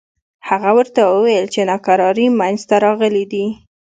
هغه ورته وویل چې ناکراری منځته راغلي دي.